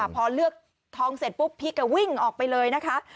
พอเลือกทองเสร็จปุ๊บพีคก็วิ่งออกไปเลยนะคะ